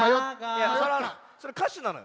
いやそれかしなのよ。